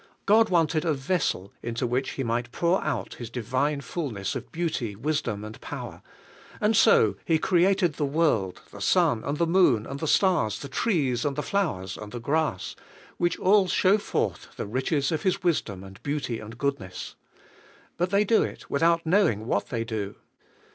God wanted a vessel into which He might pour out His divine fullness of beauty, wisdom and power; and so He created the world, the sun, and the moon, and the stars, the trees, and the flowers, and the grass, which all show forth the riches of His wis dom, and beauty, and goodness. But they do it without knowing what they do.